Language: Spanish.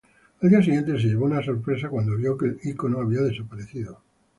Al día siguiente se llevó una sorpresa cuando vio que el icono había desaparecido.